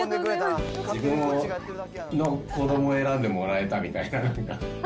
自分の子どもを選んでもらえたみたいな。